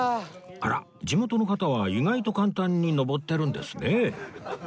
あら地元の方は意外と簡単に登ってるんですね